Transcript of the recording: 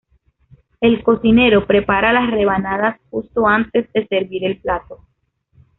El cocinero prepara las rebanadas justo antes de servir el plato.